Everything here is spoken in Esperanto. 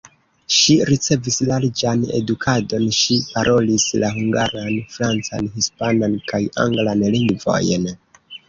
Ŝi ricevis larĝan edukadon, ŝi parolis la hungaran, francan, hispanan kaj anglan lingvojn.